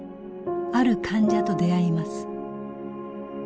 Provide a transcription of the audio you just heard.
ある患者と出会います。